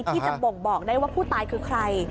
ที่จะบ่งบอกได้ว่าผู้ตายคือใคร